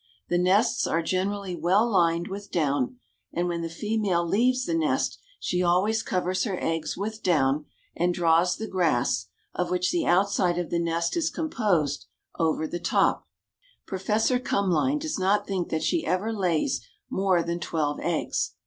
The nests are generally well lined with down, and when the female leaves the nest she always covers her eggs with down, and draws the grass, of which the outside of the nest is composed, over the top. Prof. Kumlein does not think that she ever lays more than twelve eggs.